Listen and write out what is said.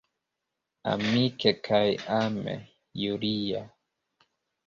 Amike kaj ame, Julia.